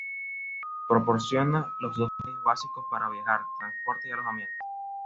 Proporciona los dos medios básicos para viajar: transporte y alojamiento.